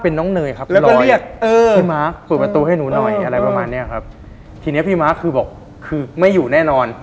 พี่มาร์คเปิดประตูให้หนูหน่อยอะไรประมาณเนี้ยครับทีเนี้ยพี่มาร์คคือบอกคือไม่อยู่แน่นอน